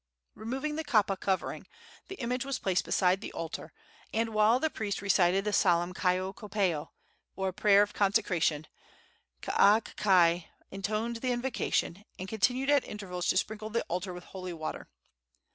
Removing the kapa covering, the image was placed beside the altar, and while the priest recited the solemn kaiokopeo, or prayer of consecration, Kaakakai intoned the invocation and continued at intervals to sprinkle the altar with holy water.